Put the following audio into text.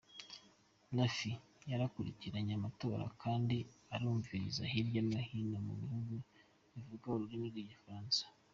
Rfi yarakurikiranye amatora, kandi irumvirizwa hirya no hino mu bihugu bivuga ururimi rw'igifaransa.